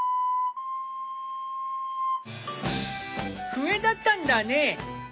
笛だったんだね！